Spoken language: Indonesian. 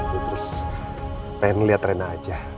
terus pengen ngeliat rena aja